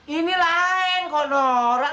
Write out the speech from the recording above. ini lain kok norak